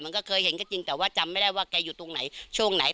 ก็เคยเห็นก็จริงแต่ว่าจำไม่ได้ว่าแกอยู่ตรงไหนช่วงไหน